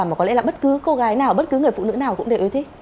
mà có lẽ là bất cứ cô gái nào bất cứ người phụ nữ nào cũng đều yêu thích